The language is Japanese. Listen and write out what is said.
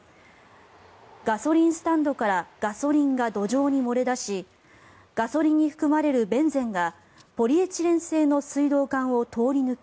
ガソリンスタンドからガソリンが土壌に漏れ出しガソリンに含まれるベンゼンがポリエチレン製の水道管を通り抜け